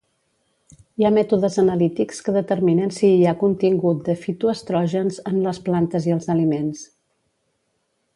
Hi ha mètodes analítics que determinen si hi ha contingut de fitoestrògens en les plantes i els aliments.